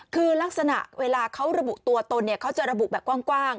คือลักษณะเวลาเขาระบุตัวตนเนี่ยเขาจะระบุแบบกว้าง